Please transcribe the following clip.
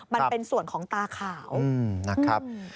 มันเป็นส่วนของตาขาว